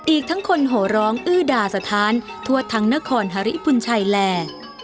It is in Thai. อีกทั้งคนโหร้องอื้อด่าสถานทั่วทั้งนครฮาริพุนชัยแล